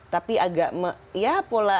tapi agak ya pola